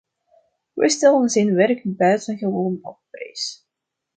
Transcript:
Wij stellen zijn werk buitengewoon op prijs.